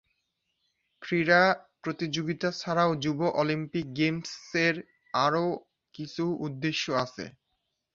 ক্রীড়া প্রতিযোগিতা ছাড়াও যুব অলিম্পিক গেমসের আরও কিছু উদ্দেশ্য আছে।